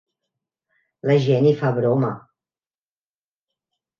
La gent hi fa broma.